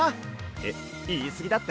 えっいいすぎだって？